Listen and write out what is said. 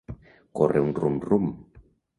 Córrer un rum-rum.